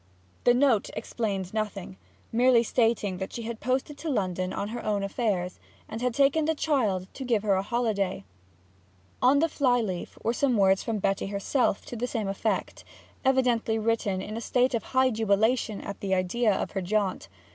The note explained nothing, merely stating that she had posted to London on her own affairs, and had taken the child to give her a holiday. On the fly leaf were some words from Betty herself to the same effect, evidently written in a state of high jubilation at the idea of her jaunt.